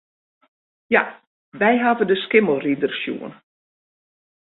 Ja, wy hawwe de Skimmelrider sjoen.